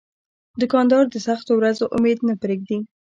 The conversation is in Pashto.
دوکاندار د سختو ورځو امید نه پرېږدي.